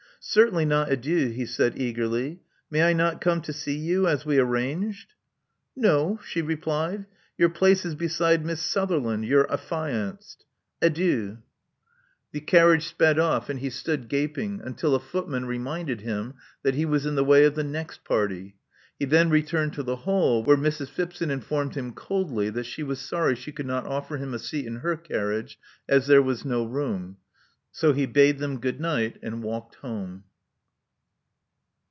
Certainly not adieu," he said eagerly. May I not come to see you, as we arranged?" '*No," she replied. Your place is beside Miss Sutherland, your affianced. Adieu." 200 Love Among the Artists The carriage sped off; and he stood, gaping, until a footman reminded him that he was in the way of the next party. He then returned to the hall, where Mrs. Phipson informed him coldly that she was sorry she could not offer him a seat in her carriage, as there was no room. So he bade them good night, and walked home.